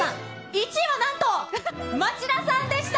１位はなんと町田さんでした。